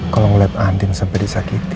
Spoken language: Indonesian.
kalau ngeliat andin sampai disakiti